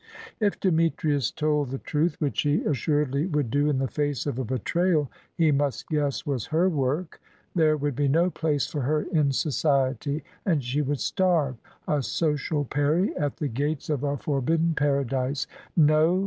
If Demetrius told the truth which he assuredly would do in the face of a betrayal he must guess was her work there would be no place for her in Society, and she would starve, a social Peri at the gates of a forbidden Paradise. No!